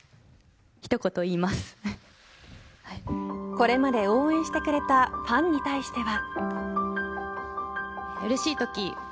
これまで応援してくれたファンに対しては。